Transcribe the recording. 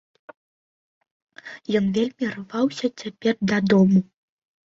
Ён вельмі рваўся цяпер дадому.